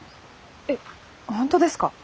えっ本当ですか？